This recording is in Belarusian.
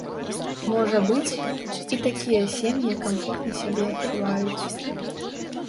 Можа быць, і такія сем'і камфортна сябе адчуваюць.